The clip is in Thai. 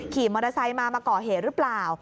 ขี่มอเตอร์ไซค์มามาก่อเหตุหรือเปล่า